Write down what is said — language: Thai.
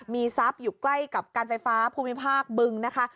มีทรัพย์อยู่ใกล้กับการไฟฟ้าภูมิภาคบึงนะคะ